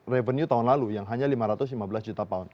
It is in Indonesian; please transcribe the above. revenue tahun lalu yang hanya lima ratus lima belas juta pound